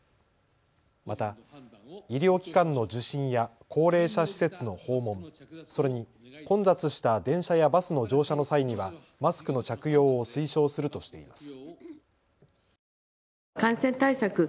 また医療機関の受診や高齢者施設の訪問、それに混雑した電車やバスの乗車の際にはマスクの着用を推奨するとしています。